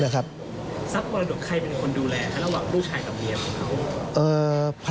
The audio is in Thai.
ทรัพย์มรดกใครเป็นคนดูแลระหว่างลูกชายกับเมียของเขา